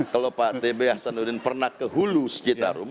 kalau pak tb azanuddin pernah ke hulu citarum